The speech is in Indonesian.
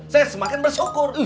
saya semakin bersenang senang